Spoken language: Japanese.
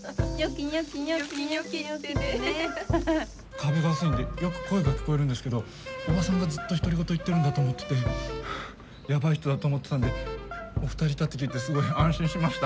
壁が薄いんでよく声が聞こえるんですけどおばさんがずっと独り言言ってるんだと思っててヤバい人だと思ってたんでお二人いたって聞いてすごい安心しました。